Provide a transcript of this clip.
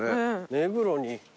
目黒に。